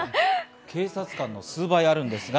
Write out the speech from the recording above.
警察官の数倍あります。